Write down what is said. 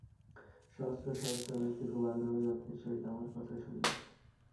সহস্র সহস্র ব্যক্তি খুব আগ্রহ ও যত্নের সহিত আমার কথা শুনিয়াছে।